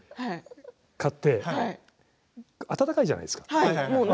買って温かいじゃないですか。